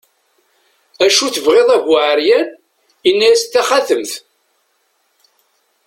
acu tebɣiḍ a bu ɛeryan, yenna-as d taxatemt